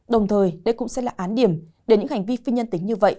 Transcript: đồng thời đây cũng sẽ là án điểm để những hành vi phi nhân tính như vậy